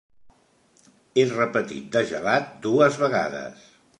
He repetit de gelat dues vegades.